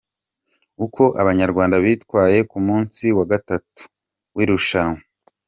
Uko Abanyarwanda bitwaye ku munsi wa gatatu w’irushanwa.